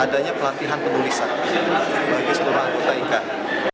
adanya pelatihan penulisan bagi seluruh anggota ika